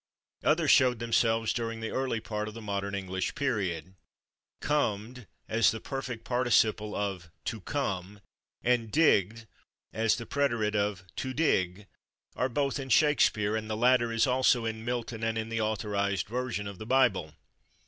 Others showed themselves during the early part of the Modern English period. /Comed/ as the perfect participle of /to come/ and /digged/ as the preterite of /to dig/ are both in Shakespeare, and the latter is also in Milton and in the Authorized Version of the Bible.